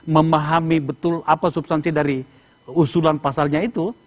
memahami betul apa substansi dari usulan pasalnya itu